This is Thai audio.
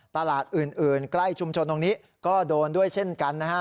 ตลาดอื่นใกล้ชุมชนตรงนี้ก็โดนด้วยเช่นกันนะฮะ